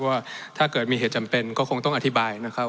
ว่าถ้าเกิดมีเหตุจำเป็นก็คงต้องอธิบายนะครับ